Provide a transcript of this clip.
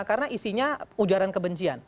karena isinya ujaran kebencian